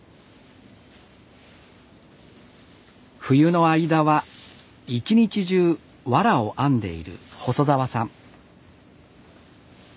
冬の間は一日中藁を編んでいる細澤さん。